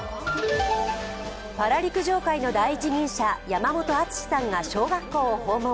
パラ陸上界の第一人者、山本篤さんが小学校を訪問。